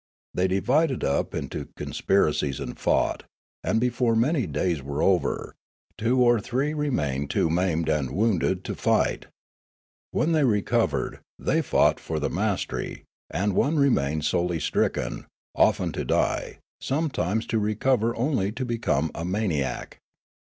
They divided up into conspira cies and fought, and before many days were over, two or three remained too maimed and wounded to fight. When they recovered, they fought for the mastery, and one remained sorely stricken, often to die, some times to recover only to become a maniac.